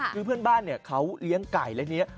คือเพื่อนบ้านเขาเลี้ยงไก่เล่นี้